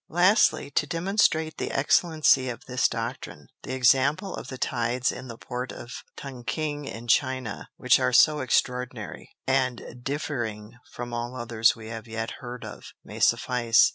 Lastly, to demonstrate the Excellency of this Doctrine, the Example of the Tides in the Port of Tunking in China, which are so extraordinary, and differing from all others we have yet heard of, may suffice.